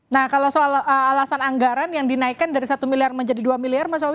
nah kalau soal alasan anggaran yang dinaikkan dari satu miliar menjadi dua miliar mas awi